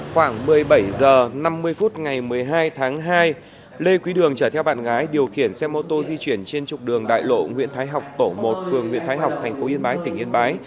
khoảng một mươi bảy h năm mươi phút ngày một mươi hai tháng hai lê quý đường chở theo bạn gái điều khiển xe mô tô di chuyển trên trục đường đại lộ nguyễn thái học tổ một phường nguyễn thái học tp yên bái tỉnh yên bái